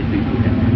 jadi mau kuntingkan